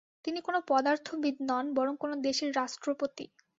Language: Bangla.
তিনি কোনো পদার্থবিদ নন বরং কোনো দেশের রাষ্ট্রপতি।